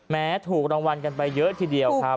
ถูกรางวัลกันไปเยอะทีเดียวครับ